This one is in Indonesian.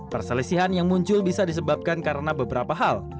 perselisihan yang muncul bisa disebabkan karena beberapa hal